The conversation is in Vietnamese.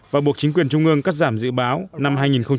và buộc chính quyền trung ương cắt giảm dự báo năm hai nghìn một mươi tám